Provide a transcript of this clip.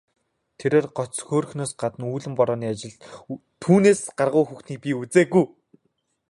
Тэрээр гоц хөөрхнөөс гадна үүлэн борооны ажилд түүнээс гаргуу хүүхнийг би үзээгүй.